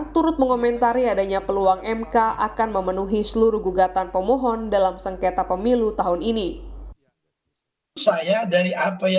turut mengomentari adanya peluang mk akan memenuhi seluruh gugatan pemohon dalam sengketa pemilu tahun ini